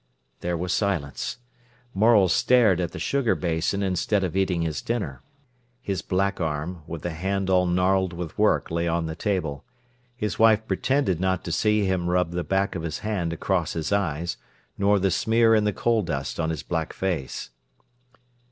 There was silence. Morel stared at the sugar basin instead of eating his dinner. His black arm, with the hand all gnarled with work lay on the table. His wife pretended not to see him rub the back of his hand across his eyes, nor the smear in the coal dust on his black face.